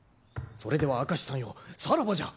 それでは明石さんよさらばじゃ！